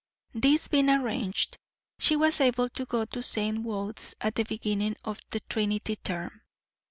This being arranged, she was able to go to St. Wode's at the beginning of Trinity term.